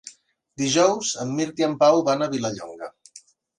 Dijous en Mirt i en Pau van a Vilallonga.